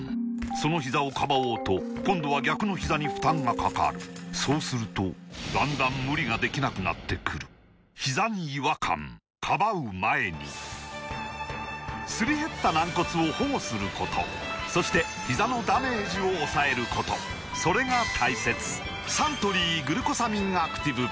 そのひざをかばおうと今度は逆のひざに負担がかかるそうするとだんだん無理ができなくなってくるすり減った軟骨を保護することそしてひざのダメージを抑えることそれが大切サントリー「グルコサミンアクティブ」